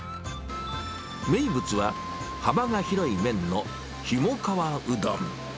名物は、幅が広い麺のひもかわうどん。